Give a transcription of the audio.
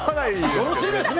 よろしいですね！